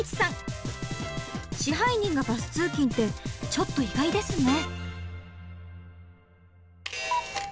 支配人がバス通勤ってちょっと意外ですね。